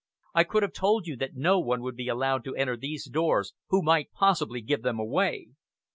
I could have told you that no one would be allowed to enter these doors who might possibly give them away."